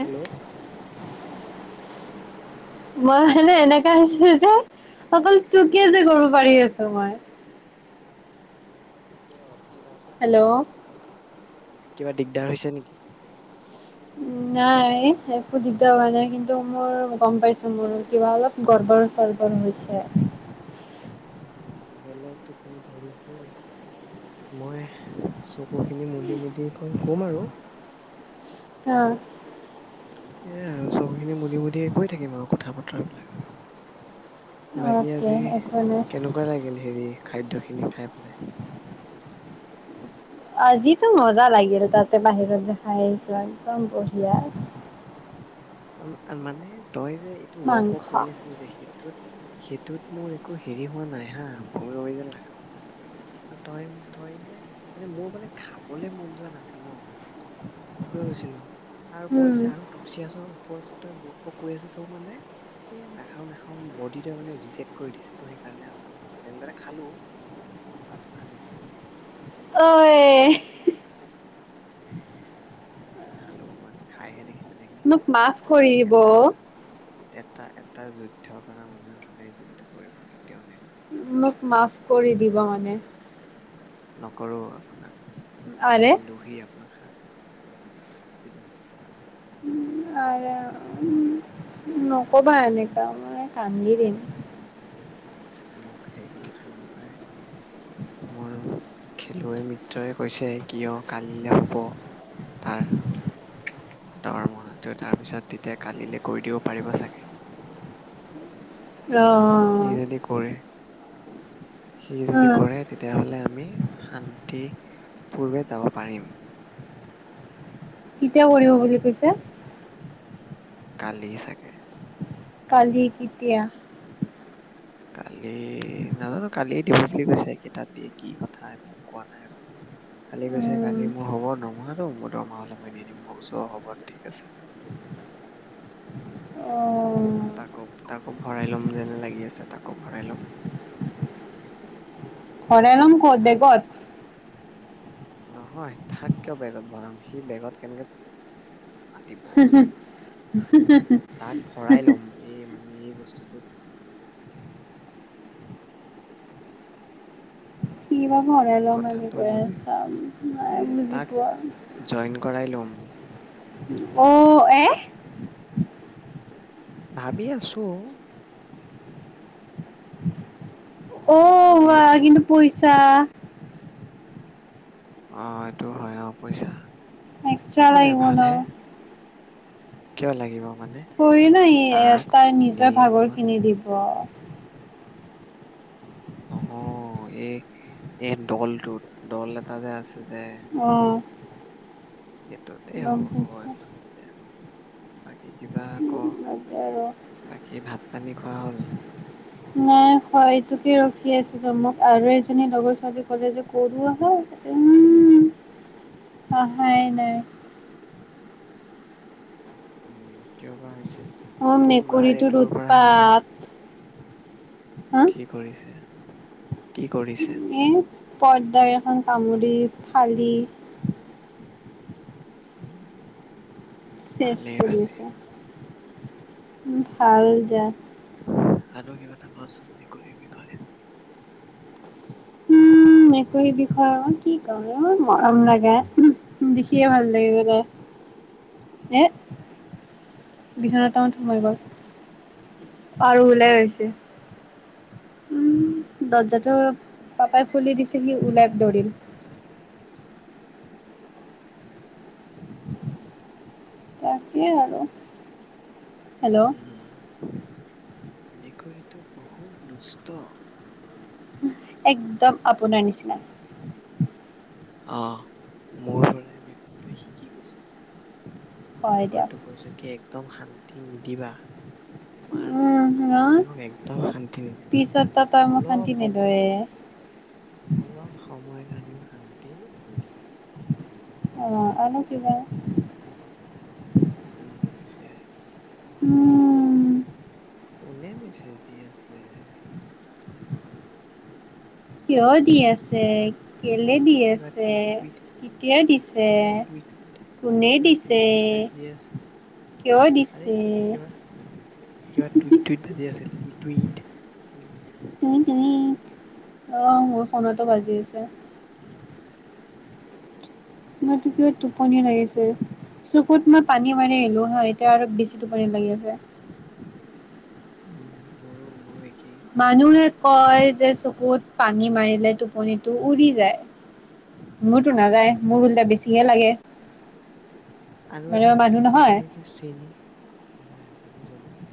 Hello মই মানে এনেকা আছো যে অকল তোকেযে কৰিব পাৰি আছোঁ মই। অ কিবা এটা হেল্ল' হ'ল নেকি। কিবা দিগদাৰ হৈছে নেকি নাই একো দিগদাৰ হোৱা নাই কিন্তু মোৰ গম পাইছো মোৰ কিবা অলপ গৰ্বৰ সৰ্বৰ হৈছে। উ বেলেগ টোপনি ধৰিছিল মই চকু খিনি মুদি মুদি কম আৰু আহ সেইয়া আৰু চকু খিনি মুদি মুদি কৈ থাকিম আৰু কথা বতৰা। কি বাকী অকে আজি একো নাই কেনেকুৱা লাগিল হেৰি। খাদ্যখিনি খাই পেলাই। আজিটো। মত পুৰা লাগি আছে তাতে বাহিৰতে। খাই আছোঁ একদম বঢ়িয়া। আ মানে তই যে এইটো ৱৰ্ক ৱক মাংস কৰি আছিলি যে সেইটোত সেইটোত মোৰ একো হেৰি হোৱা নাই হা বমি বমি যে লা নাই কিন্তু তই তই যে মানে মোৰ মানে খাবলে মন যোৱা নাছিল ন মানে ভুল হৈ গৈছিলো। তাৰ উম ওপৰচে আৰু থুচিয়াচ। তই বক বক কৰি আছ ত মানে এই নাখাও নাখাও বডিটোৱে মানে ৰিজেক্ট কৰি দিছে ত সেইকাৰণে আৰু যেনে খালো খোৱাটো খালো। অই খোৱাটো খালো মই খাইহে দেখি মোক মাফ কৰি দিব অ। এটা এটা যুদ্ধ কৰা মানুহে সদায় যুদ্ধ কৰিব কেতিয়াও নেৰে। মোক মাফ কৰি দিব মানে। নকৰো আপোনাক। আৰে আপুনি দহি আপোনাৰ খা কি শাস্তি দিম? উ নকবা এনেকুৱা মানে কানদি দিম। মোক হেৰি কিবুলি কয়, মোৰ খেলুৱৈ মিত্ৰই কৈছে কিয় কালিলৈ হ'ব তাৰ দৰমহাটো তাৰপিছত তেতিয়া কালিলৈ কৰি দিব পাৰিব চাগে। অহ সি অহ যদি কৰে অহ সি যদি কৰে তেতিয়াহ'লে আমি শান্তি পূৰ্বে যাব পাৰিম। কেতিয়া কৰিব বুলি কৈছে? কালি চাগে। কালি কিতিয়া? কালি নাজানো কালিয়ে দিব বুলি কৈছে কেইটাত দিয়ে কি কথা এইবিলাক কোৱা নাই আৰু কালি গৈছে উম, কালি মোৰ হব দৰমহাটো মোৰ দৰমহা হলে মই দি দিম মোৰ ওচৰত হব ঠিক আছে। অ', তাকো তাকো ভৰাই ল'ম যেনে লাগি আছে তাকো ভৰাই ল'ম। মাজে ভৰাই মাজে লম ক'ত আৰু বেগত? নহয় তাক কিয় বেগত ভৰাম সি বেগত কেনেকে আতিব কোৱা, তাক ভৰাই ল'ম এই মানে এই বস্তুটোত ইমান ভৰাই ল'ম এনেক কথাটো কৈ বুলি আছা মে এ বুজি তাক পোৱা জইন কৰাই ল'ম অ এ ভাবি আছো। অঔ ভাবি বা আছো কিন্তু পইচা অ এইটো হয় অ পইচা। এক্সট্ৰালা একো নাই লাগিব ন। ভালহে কিয় লাগিব? মানে কৰি নাই তাক তাৰ নিজৰ ভাগৰ ফিলিমত কিনি দিব গ নহ এই এই দলটোত দল এটা যে আছে আহ স। ত'তে হ'ব হ'ব পাইছোঁ। এইবিলাক আৰু। বাকী কিবা ক বাদ দে আৰু। বাকী ভাত পানী খোৱা হল। নাই হয় এইটোকে ৰখি আছিলো মোক আৰু এজনী লগৰ ছোৱালী ক'লে যে কৰু আহ উম হহাই নাই? উম কিয় বা হৈছে। অ তোৰ মাৰ মেকুৰীটোৰ এইটোৰ পৰা হ'ল উৎপাত। হা কি কৰিছে কি কৰিছে? পৰ্দাৰ এখন কামুৰি ফালি। উম শেষ ভালেই কৰি ভালেই আছো? ভাল যা। আৰু কিবা এটা কোৱাচোন মেকুৰীৰ বিষয়ে। উম একো সেই বিষয়ে মই কি কওঁ এই মোৰ মৰম লাগা দেখিয়ে ভাল লাগিব তাই এ। বিছনা তলত সোমাই গ'ল আৰু ওলাই আহছে? দৰ্জাটো পাপাই খুলি দিছিল সি ওলাই ধৰিল। থাকিয়ে আৰু। হেল্ল' উম মেকৰীটো বহু দুস্থ। একদম আপোনাৰ নিচিনা? অঁহ মোৰ পৰাৰ মেকুৰীটোয়ে শিকি গৈছে? হয় দিয়ক ৰেকৰ্ডটো হৈছে কি? ত শান্তি নিদিবা? তোমাৰ উম মালখিনক একদম শান্তি নিদিবা পিছত তই মোক শান্তি অলপ সময়। নিদয়ে অলপ সময় কাৰণেও শান্তি? তে নিদিয়ে। অঁ আৰু ন কিবা? উম সেইয়াই? উম কোনে মেছেজ দি আছে? লৈ দি আছে। কিবা কেলে দি কিবা আছে টুইট টুইট কেতিয়া দিছে কিবা টুইট কোনে কিবা টুইট দিছে টুইট বাজি আছে কিয় আৰে দিছে? কিবা কিবা টুইট টুইট বাজি আছিল টুই টুইট টু টুইট। অঁ মোৰ ফোনতো বাজি আছে? উম মতো কিবা টোপনি লাগিছে? হম চকুত মোৰ মই পানী মাৰি ভাইটিৰ আহিলো হাঁ এতিয়া আৰু বেছি? টোপনি লাগে। [inaudible] [unintelligible] উম মোৰো মোৰো এক মানুহে কয় যে চকুত পানী মাৰিলে টোপনিটো উৰি যায় মোৰতো উম নাযায় মোৰ উলতা বেছি পিয়াহ লাগে আৰু মানে এটা মই কথা মানুহ নহয় শুনিছিলো কি চেনি নাই আমি আপুনি জন্তু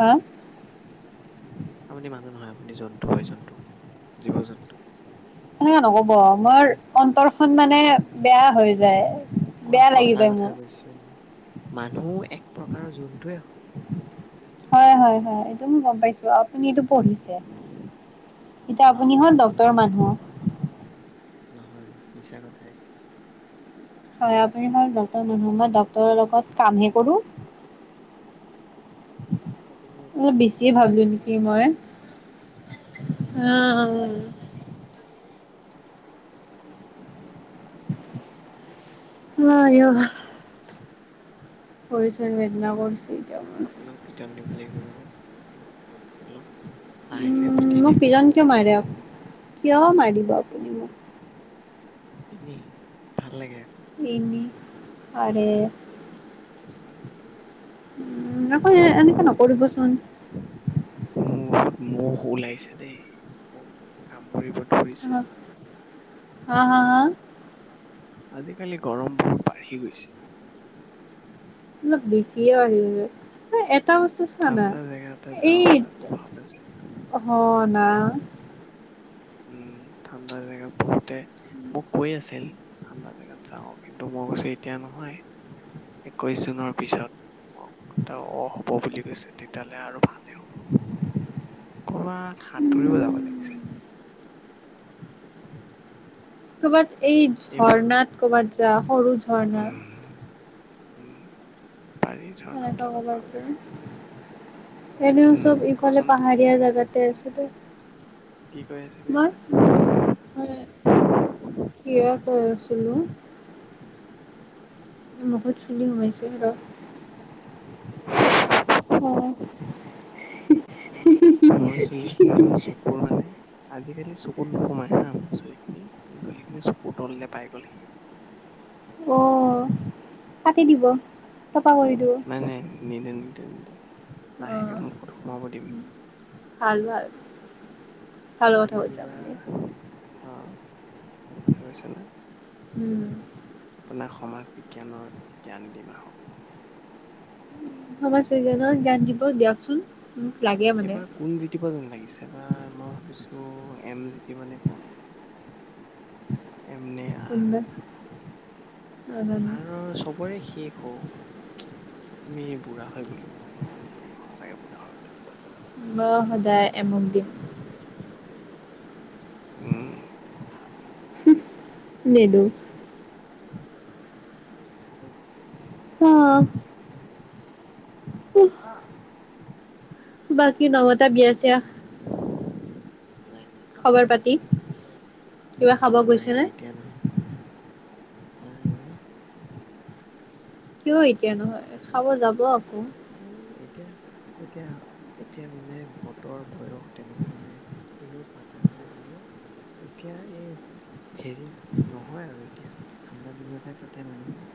অঁহ আপুনি মানুহ নহয় আপুনি জন্তু হয় জন্তু জীৱ জন্তু এনেকা নকব মোৰ মোৰ অন্তৰখন মানে বেয়া হৈ যায় মই বেয়া লাগি সঁচা যায় কথা মোৰ কৈছো মানুহো এক প্ৰকাৰৰ জন্তুৱে হয় হয় হয় হয় এইটো মই গম পাইছো অঁ আপুনি এইটো পঢ়িছে এতিয়া অ আপুনি হ'ল ডক্তৰ মানুহ হয় নহয় মিছা কথাই হয় আপুনি হয় ডাক্তৰ লগত কামহে কৰো আপুনি একো অলপ কাম বেছিয়ে নকৰে ভাবিলো আপুনি এনে নেকি কৈ মই আহ আহ নহয় অঁ উম, কৰিছ বেদনা আপোনাক কৰিছোঁ এতিয়া মই হেলল্ল উম মোক প্ৰিজন কিয় মাৰে অ কিয় মাৰিব আপুনি মোক এনেই ভাল লাগে আৰু। ই নি আৰু উম উম আকৌ এনেকে নকৰিবচোন ফুল মহ ওলাইছে দেই কামুৰিব ধৰিছে হ হা হা আজিকালি গৰম বহুত বাঢ়ি গৈছে। অলপ বেছিয়ে আহিল। এটা বস্তু চা না ঠাণ্ডা জেগাতে যাব পৰা এইত ভাল আছিল অ না [inaudible] উম ঠাণ্ডা জেগাত বহুতে মোক কৈ আছিল ঠাণ্ডা জেগাত যাওঁ কিন্তু মই কৈছো এতিয়া নহয় একৈশ জুনৰ পিছত মোক অ হব বুলি কৈছে তেতিয়াহ'লে আৰু ভালেই হ'ব ক'বাত সাঁতুৰিব যাব উম লাগিছিল। কবাত এই এইবোৰ ঝৰ্ণাত ক'ৰবাত। যাহ ঝণ উম উম পাৰী ঝৰ্ণা বিলাকত ক'বাত ভাল যা লাগে এনেও উম চব ইফালে কচোন কি পাহাৰীয়া কৈছিলি জেগাতে আছিলোঁ কি কৈ আছিলি তই? মই কিয় কছ হেল্ল বহুত চুলি সোমাইছোঁ আৰু অ মোৰ চুলি খিনি চকুৰ মানে আজিকালি চকুত নোসোমাইা আ ছোৱালখিনি ছোৱালখিনি চকুৰ তললে পাই গ'লহি। অ কাটি দিব টপা কৰি দিব। নাই নাই নিউ নিউ নিউ লাহে অ', মুখত হ'ব দিম ভাল ভাল ভাল কথা এইটো কৈছে কিবা আপুনি। আহ ভাল কথা কৈছে না উম, আপোনাৰ সমাজ বিজ্ঞানৰ জ্ঞান দি ম হক সমাজ প্ৰজ্ঞানত জ্ঞান দিব দিয়কচোন মোক লাগে মানে এবাৰ কোন জিতিব যেন লাগিছে? এবা মই ভাবিছো এম জিতিয নে কোন এম নে কোনোবা আৰ নাজানো আৰু চবৰে শেষ অ আমি বুঢ়া হৈ গলো অ আমি সচাকে বুঢ়া হৈ গলো বাহদায় এমন দিম উম নিদো [unintelligible] অ আহ বাকি নামত তা বিয়া চিয়া উম নাই ন খবৰ পাতি কিবা খাব নাই গৈছে নে? নাই এতিয়া নহয় নাই অ কিয় এই কিয় নহয় খাব যাব আকৌ এ এতিয়া এতিয়া এতিয়া মানে বতৰ বয়স তেনেকুৱা মানে কোনেও পতা নাই আৰু এতিয়া এই হেৰি নহয় আৰু এতিয়া ঠাণ্ডা দিনতহে পাতে মানুহে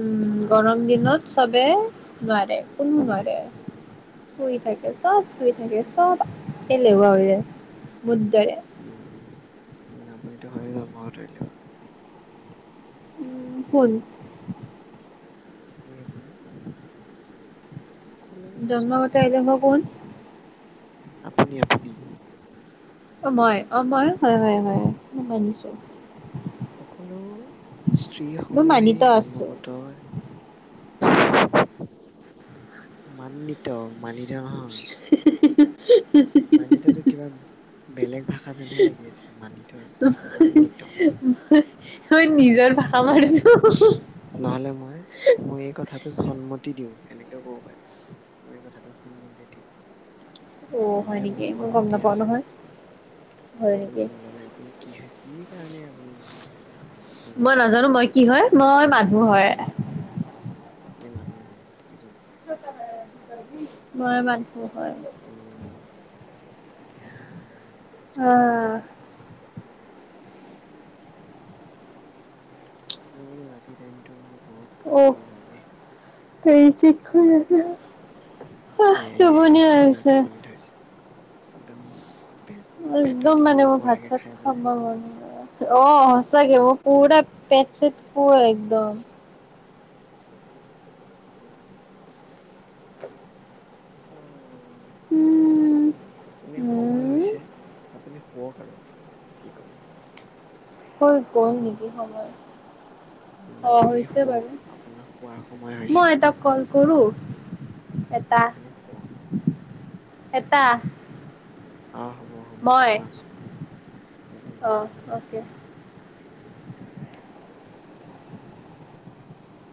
আঘোণৰ মাহত গৰম দিনত চবে বহাগ নোৱাৰে কোনো শুই নোৱাৰে থাকে শুই থাকে চব শুই থাকে চব এলেহুৱা হৈ যায়। মোৰ দৰে। উম উ উ আপুনিটো হয়ে জন্ম ধৰিলে উম হ'ল আপুনি আপুনি সকলো [unintelligible] ও জন্মগত চানব এলেহুৱা য কোন? গলে আপুনি আপুনি অ মই অ মই হয় হয় হয় ম মানিছো সকলো [unintelligible] স্ত্ৰী মই মানিত সমূহেই আছো। জন্মগত মানিত মানি থ নহয় হি হি হি হি মানিততো কিবা বেলেগ ভাষা যেনহে লাগি আছে মানিত আচোন মানিত ঠৈত নিজৰ ভাষা মাৰিছো নহলে মই মোৰ এই কথা সন্মতি দিওঁ এনেকেও ক'ব পাৰি মই কথাটোত সন্মতি দিওঁ অ' হয় নহলে নেকি? মোৰ মই গম সন্মতি নাপাও আছে নহয়, হয় নেকি? আপুনি নাজানে আপুনি কি হৈ কি কাৰণে আপুনি? অসমীয়া মই ছোৱালী নাজানো আহিছে মই কি আপুনি হয় মই মান ভয় আপুনি মানুহ নহয় এজনী মই মানুহ হয়। উম অহ মোৰ ৰাতিৰ টাইমটো বহুত অ টোপনি ধৰে দেই ৰিচিভ শুই আছো অ এয়াই এয়াই এ আপোনাৰ টোপনি ধৰিছে একদম পেট পেটৰ একদম মানে ডিঙিৰ মোৰ ভাত ওপৰলৈকে খাই চাত খাব পেলাই মন অ সচাকে মোৰ পুৰা পেট চেট একদম উম অ উম, এনে সময় উম। হৈছে আপুনি শুৱক আৰু কি কয় হৈ গল নেকি সময় অ আপুনি হৈছে বাৰু শুৱক আপোনাৰ শোৱাৰ সময় মই হৈছে এটা কল কৰো উ এটা আপুনি শুৱক এটা অঁ হ'ব হ'ব মই আছোঁ অ হ'ব হ'ব অকে